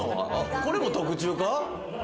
これも特注か？